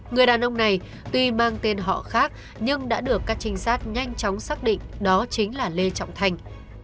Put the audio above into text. người đàn ông này tuy mang tên họ khác nhưng đã được các trinh sát nhanh chóng xác định đó chính là lê trọng thành